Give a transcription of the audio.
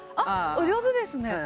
お上手ですね。